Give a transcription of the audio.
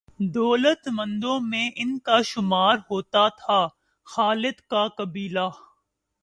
دولت مندوں میں ان کا شمار ہوتا تھا۔ خالد کا قبیلہ